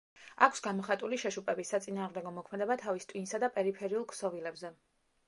აქვს გამოხატული შეშუპების საწინააღმდეგო მოქმედება თავის ტვინსა და პერიფერიულ ქსოვილებზე.